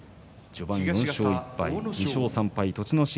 序盤４勝１敗２勝３敗に栃ノ心。